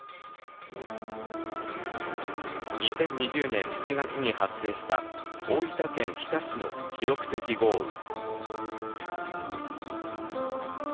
２０２０年７月に発生した大分県日田市の記録的豪雨。